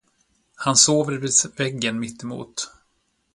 Han sover vid väggen mitt emot.